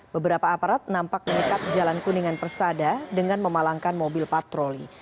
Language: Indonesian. beberapa aparat nampak menyekat jalan kuningan persada dengan memalangkan mobil patroli